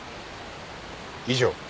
以上。